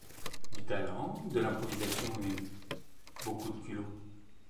Du talent, de l'improvisation et... beaucoup de culot.